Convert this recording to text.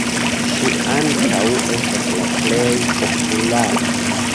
Ŝi ankaŭ estas la plej populara.